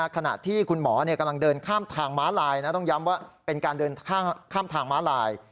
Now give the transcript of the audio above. ขณะที่คุณหมอกำลังเดินข้ามทางม้าลายต้องย้ำว่าเป็นการเดินข้ามทางม้าลาย